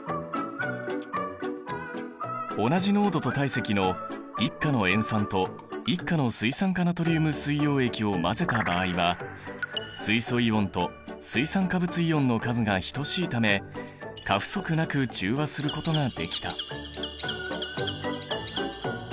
同じ濃度と体積の１価の塩酸と１価の水酸化ナトリウム水溶液を混ぜた場合は水素イオンと水酸化物イオンの数が等しいため過不足なく中和することができた。